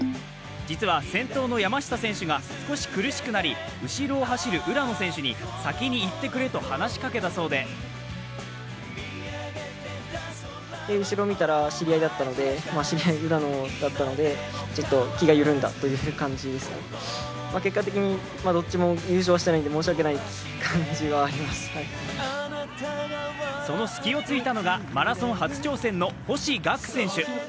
実は、先頭の山下選手が少し苦しくなり、後ろを走る浦野選手に先に行ってくれと話しかけたそうでその隙をついたのがマラソン初挑戦の星岳選手。